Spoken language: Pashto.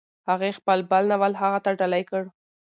هغې خپل بل ناول هغه ته ډالۍ کړ.